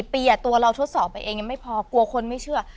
ปีตัวเราทดสอบไปเองยังไม่พอกลัวคนไม่เชื่อ